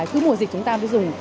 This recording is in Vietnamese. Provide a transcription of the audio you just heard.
cứ mùa dịch chúng ta mới dùng